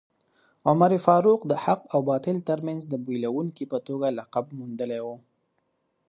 عمر فاروق د حق او باطل ترمنځ د بېلوونکي په توګه لقب موندلی و.